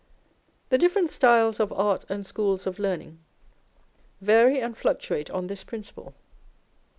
The different styles of art and schools of learning vary and fluctuate on this principle.